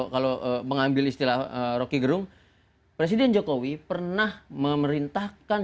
kalau mengambil istilah rocky gerung presiden jokowi pernah memerintahkan